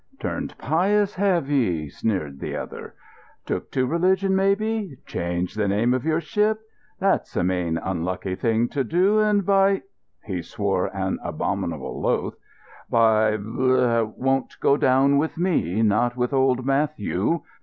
"Turned pious, have ye?" sneered the other. "Took to religion, maybe? Changed the name of your ship? That's a main unlucky thing to do, and by——" He swore an abominable oath. "By—— it won't go down with me, not with old Matthew.